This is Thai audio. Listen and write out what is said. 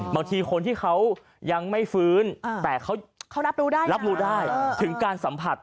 บางทีคนที่เขายังไม่ฟื้นแต่เขารับรู้ได้รับรู้ได้ถึงการสัมผัส